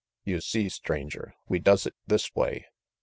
You see, Stranger, we does it this way.